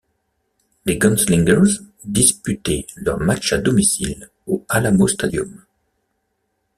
Les Gunslingers disputaient leurs matchs à domicile au Alamo Stadium.